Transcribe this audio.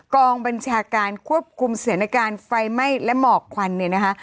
กองบัญชาการควบคุมสถานการณ์ไฟไหม้และหมอกควันเนี่ยนะคะ